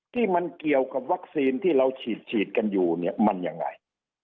ที่มันเกี่ยวกับวัคซีนที่เราฉีดกันอยู่เนี่ยมันยังไง